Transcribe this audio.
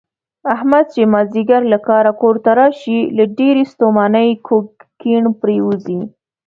احمد چې مازدیګر له کاره کورته راشي، له ډېرې ستومانۍ کوږ کیڼ پرېوځي.